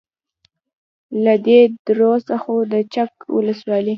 . له دې درو څخه د چک ولسوالۍ